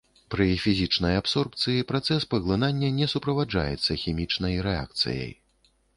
Пры фізічнай абсорбцыі працэс паглынання не суправаджаецца хімічнай рэакцыяй.